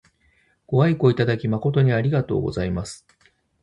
ご愛顧いただき誠にありがとうございます。